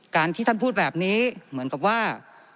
การที่ท่านพูดแบบนี้เหมือนกับว่า